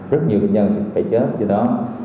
rất nhiều bệnh nhân phải chết vì đó